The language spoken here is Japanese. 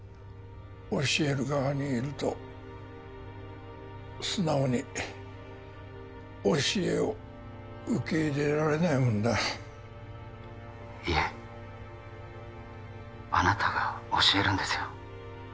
教える側にいると素直に教えを受け入れられないもんだいえあなたが教えるんですよ